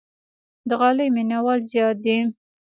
د غالۍ مینوال زیات دي.